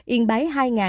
yên bái hai bốn mươi chín